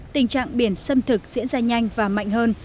tình trạng biển xâm thực diễn ra nhanh và mạnh hơn